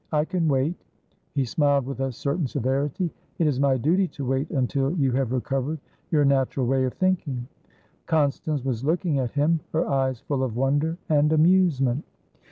I can wait." He smiled with a certain severity. "It is my duty to wait until you have recovered your natural way of thinking." Constance was looking at him, her eyes full of wonder and amusement.